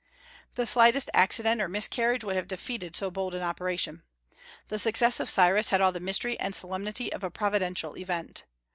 The slightest accident or miscarriage would have defeated so bold an operation. The success of Cyrus had all the mystery and solemnity of a Providential event.